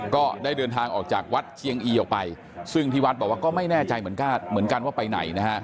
ก็ได้เดินทางออกจากวัดเชียงอีออกไปซึ่งที่วัดบอกว่าก็ไม่แน่ใจเหมือนกันว่าไปไหนนะฮะ